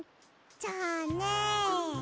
じゃあね。